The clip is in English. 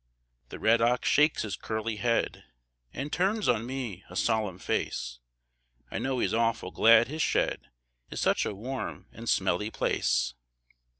The red ox shakes his curly head, An' turns on me a solemn face; I know he's awful glad his shed Is such a warm and smelly place.